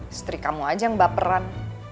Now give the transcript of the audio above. istri kamu aja yang baperan